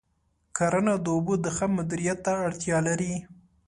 کرنه د اوبو د ښه مدیریت ته اړتیا لري.